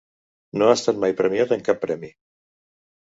No ha estat mai premiat amb cap premi.